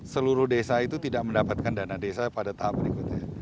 seluruh desa itu tidak mendapatkan dana desa pada tahap berikutnya